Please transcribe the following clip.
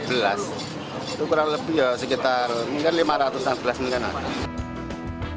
itu kurang lebih ya sekitar mungkin rp lima ratus tiga belas